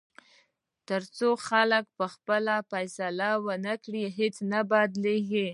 تر څو خلک پخپله فیصله ونه کړي، هیڅ بدلېږي.